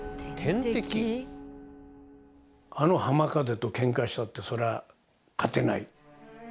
あの浜風とけんかしたってそりゃあ勝てない。